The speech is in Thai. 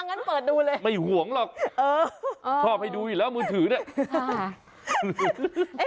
งั้นเปิดดูเลยไม่ห่วงหรอกเออชอบให้ดูอยู่แล้วมือถือเนี่ย